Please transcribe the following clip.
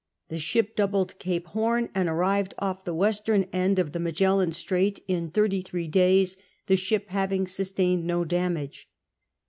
The ship doubled Cape Horn and arrived off the western end of the Magellan Strait in thirty three days, the ship having sustained no damage.